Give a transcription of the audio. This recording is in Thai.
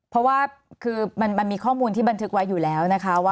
เพราะว่าคือมันมีข้อมูลที่บันทึกไว้อยู่แล้วนะคะว่า